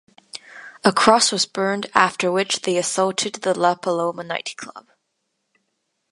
A cross was burned after which they assaulted the La Paloma nightclub.